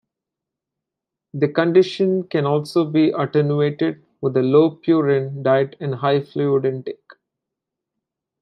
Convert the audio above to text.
The condition can also be attenuated with a low-purine diet and high fluid intake.